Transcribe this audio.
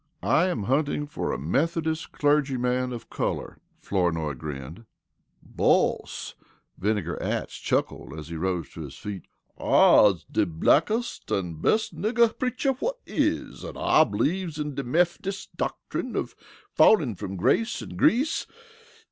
"I am hunting for a Methodist clergyman of color," Flournoy grinned. "Boss," Vinegar Atts chuckled as he rose to his feet, "I's de blackest an' best nigger preacher whut is, an' I b'lieves in de Mefdis doctrine of fallin' from grace an' grease.